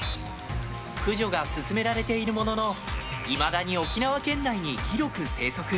駆除が進められているもののいまだに沖縄県内に広く生息。